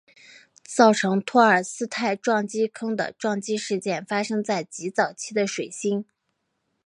造成托尔斯泰撞击坑的撞击事件发生在极早期的水星。